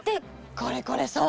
これこれそう。